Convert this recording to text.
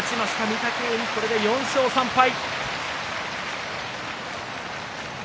御嶽海、これで４勝３敗。